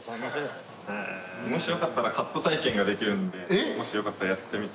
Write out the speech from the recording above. もしよかったらカット体験ができるのでもしよかったらやってみて。